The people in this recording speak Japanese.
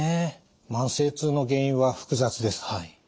慢性痛の原因は複雑です。